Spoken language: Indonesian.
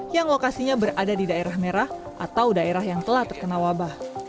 yang lokasinya berada di daerah merah atau daerah yang telah terkena wabah